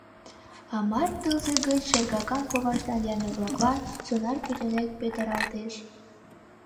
А март тылзе гыч шергакан коваштан янлык-влаклан сонар пӱтынек петыралтеш.